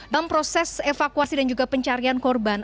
dalam proses evakuasi dan juga pencarian korban